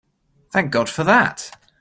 Thank God for that!